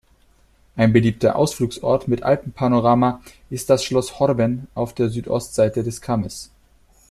Ein beliebter Ausflugsort mit Alpenpanorama ist das Schloss Horben auf der Südostseite des Kammes.